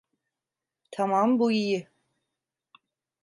Tamam, bu iyi.